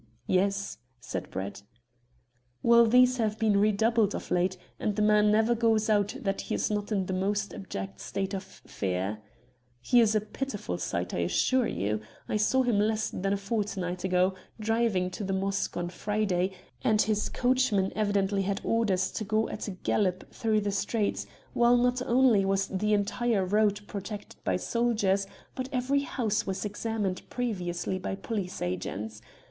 "Yes," said Brett. "Well, these have been redoubled of late, and the man never goes out that he is not in the most abject state of fear. He is a pitiful sight, I assure you. I saw him less than a fortnight ago, driving to the Mosque on Friday, and his coachman evidently had orders to go at a gallop through the streets, whilst not only was the entire road protected by soldiers, but every house was examined previously by police agents.